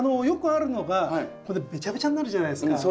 よくあるのがこれべちゃべちゃになるじゃないですか。